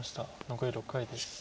残り６回です。